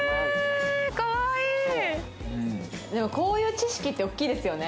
でもこういう知識って大きいですよね。